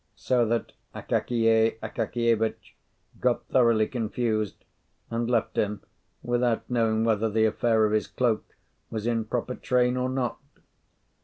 So that Akakiy Akakievitch got thoroughly confused, and left him without knowing whether the affair of his cloak was in proper train or not.